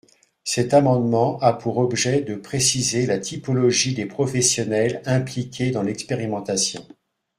Cet amendement a pour objet de préciser la typologie des professionnels impliqués dans l’expérimentation.